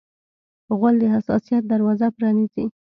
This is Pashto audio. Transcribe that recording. غول د حساسیت دروازه پرانیزي.